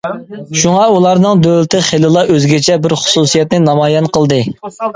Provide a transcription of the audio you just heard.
شۇڭا، ئۇلارنىڭ دۆلىتى خېلىلا ئۆزگىچە بىر خۇسۇسىيەتنى نامايان قىلدى.